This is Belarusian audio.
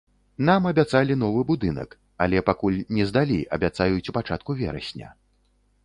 Нам абяцалі новы будынак, але пакуль не здалі, абяцаюць у пачатку верасня.